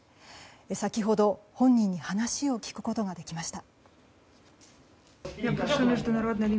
先ほど、本人に話を聞くことができました。